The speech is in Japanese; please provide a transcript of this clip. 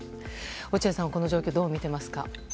落合さん、この状況どう見てますか？